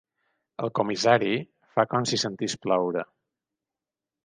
El comissari fa com si sentís ploure.